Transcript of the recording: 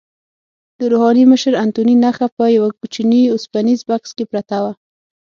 د روحاني مشر انتوني نخښه په یوه کوچني اوسپنیز بکس کې پرته وه.